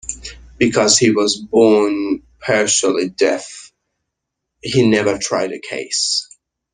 Because he was born partially deaf, he never tried a case.